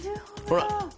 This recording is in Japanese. ほら！